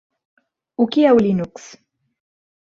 O que é o Linux?